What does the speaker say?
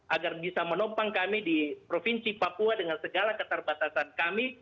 agar bisa menopang kami di provinsi papua dengan segala keterbatasan kami